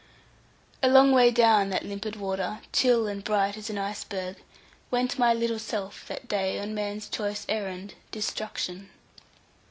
A long way down that limpid water, chill and bright as an iceberg, went my little self that day on man's choice errand destruction.